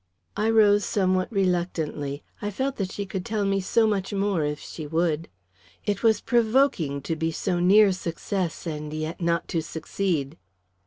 I rose somewhat reluctantly. I felt that she could tell me so much more, if she would. It was provoking to be so near success, and yet not to succeed.